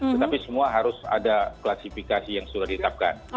tetapi semua harus ada klasifikasi yang sudah ditetapkan